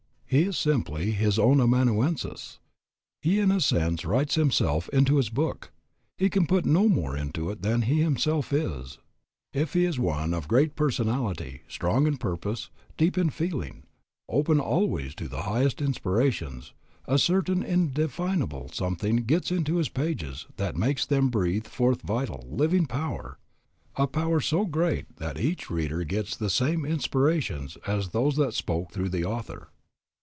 He is simply his own amanuensis. He in a sense writes himself into his book. He can put no more into it than he himself is. If he is one of a great personality, strong in purpose, deep in feeling, open always to the highest inspirations, a certain indefinable something gets into his pages that makes them breathe forth a vital, living power, a power so great that each reader gets the same inspirations as those that spoke through the author.